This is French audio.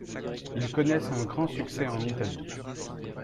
Ils connaissent un grand succès en Italie.